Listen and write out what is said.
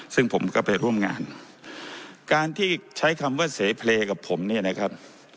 ซึ่งผมก็ไปร่วมงานการที่ใช้คำว่าเสเพลย์กับผมเนี่ยนะครับ